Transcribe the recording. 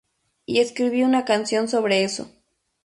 Y escribí una canción sobre eso.